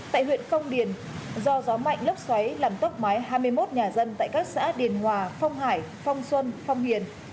tại huyện phong điền do gió mạnh lốc xoáy làm tốc mái hai mươi một nhà dân tại các xã điền hòa phong hải phong xuân phong hiền